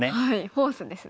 フォースですね。